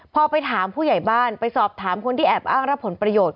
พอไปถามผู้ใหญ่บ้านไปสอบถามคนที่แอบอ้างรับผลประโยชน์